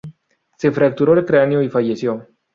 Se fracturó el cráneo y falleció.